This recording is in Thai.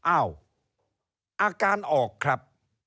อ้าวอาการออกครับ